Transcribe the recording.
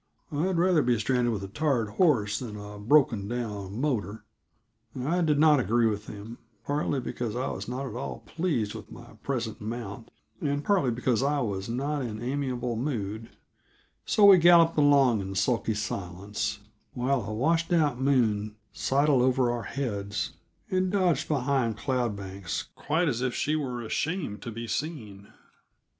I'd rather be stranded with a tired horse than a broken down motor." I did not agree with him, partly because I was not at all pleased with my present mount, and partly because I was not in amiable mood; so we galloped along in sulky silence, while a washed out moon sidled over our heads and dodged behind cloud banks quite as if she were ashamed to be seen.